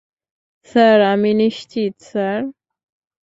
Sir, আমি নিশ্চিত sir.